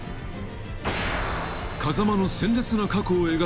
［風間の鮮烈な過去を描く本作］